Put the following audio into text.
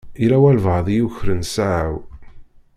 Yella walebɛaḍ i yukren ssaɛa-w.